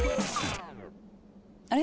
あれ？